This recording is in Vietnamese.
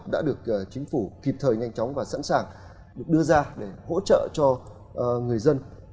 đã được chính phủ kịp thời nhanh chóng và sẵn sàng được đưa ra để hỗ trợ cho người dân